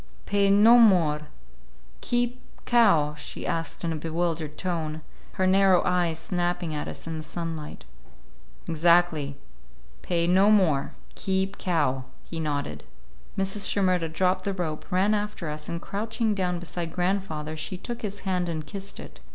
"Pay no more, keep cow?" she asked in a bewildered tone, her narrow eyes snapping at us in the sunlight. "Exactly. Pay no more, keep cow." He nodded. Mrs. Shimerda dropped the rope, ran after us, and crouching down beside grandfather, she took his hand and kissed it.